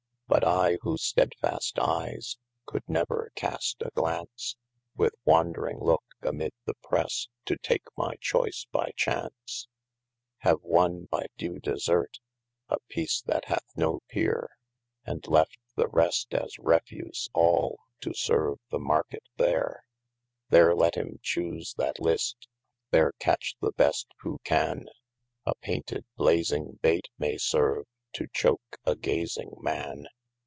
But I whose stedfast eies, coulde never cast a glaunce, With wadring lake, amid the prese, to take my choise by chauce Have wonne by due desert, a peece that hath no peere, And left the rest as refuse all, to serve the market there : There let him chuse that list, there catche the best who can : A painted blazing baite may serve, to choke a gazing man.